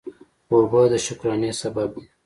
اوبه د شکرانه سبب دي.